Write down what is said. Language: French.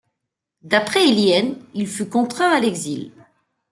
D'après Elien, Il fut contraint à l'exil.